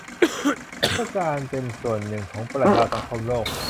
เพื่อการเป็นส่วนหนึ่งของประชาคมโลก